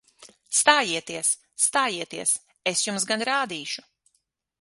Stājieties! Stājieties! Es jums gan rādīšu!